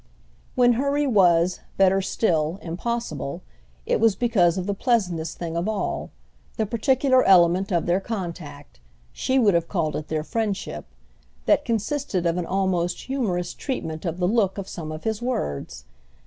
When hurry was, better still, impossible, it was because of the pleasantest thing of all, the particular element of their contact—she would have called it their friendship—that consisted of an almost humorous treatment of the look of some of his words.